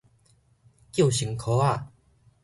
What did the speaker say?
救生箍仔